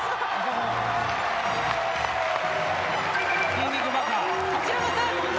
筋肉バカ。